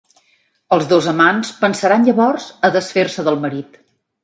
Els dos amants pensaran llavors a desfer-se del marit.